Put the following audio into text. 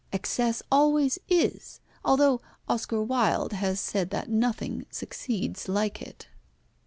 Excess always is, although Oscar Wilde has said that nothing succeeds like it."